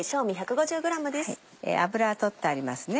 脂は取ってありますね。